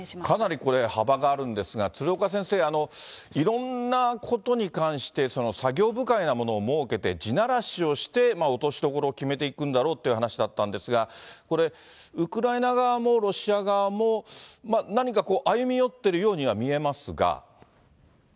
かなりこれ、幅があるんですが、鶴岡先生、いろんなことに関して、作業部会のようなものを設けて、地ならしをして落としどころを決めていくんだろうという話だったんですが、これ、ウクライナ側もロシア側も、何か歩み寄ってるようには見えますが。